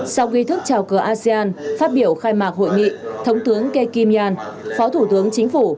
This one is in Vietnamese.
sau ghi thức trào cờ asean phát biểu khai mạc hội nghị thống tướng kekimyan phó thủ tướng chính phủ